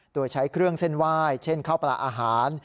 โดยใช้เครื่องเส้นไหว้เช่นข้าวปลาอาหาร